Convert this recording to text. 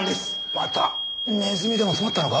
またネズミでも詰まったのか？